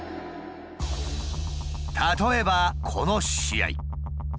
例えばこの試合。